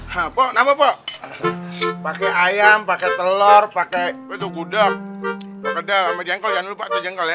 hai hapo nama pak pakai ayam pakai telur pakai itu gudeg